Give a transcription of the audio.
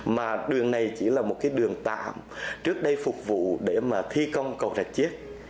mà đường này chỉ là một cái đường tạm trước đây phục vụ để mà thi công cầu rạch chiếc